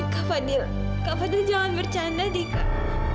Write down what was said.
kak fadil kak fadil jangan bercanda deh kak